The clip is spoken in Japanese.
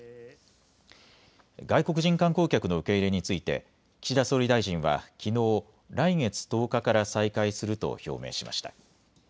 外国人観光客の受け入れについて岸田総理大臣はきのう来月１０日から再開すると表明しました。